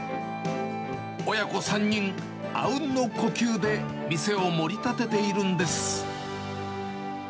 親子３人、あうんの呼吸で店をもり立てているんです。